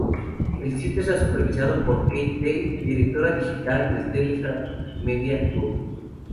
El sitio está supervisado por Kate Day, directora digital del Telegraph Media Group.